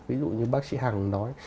ví dụ như bác sĩ hằng nói